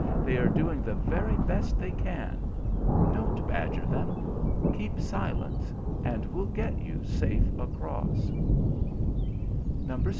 They are doing the very best they can. Don't badger them. Keep silence, and we'll get you safe across."